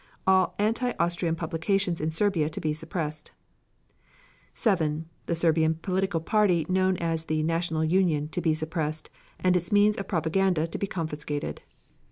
All anti Austrian publications in Serbia to be suppressed. 7. The Serbian political party known as the "National Union" to be suppressed, and its means of propaganda to be confiscated.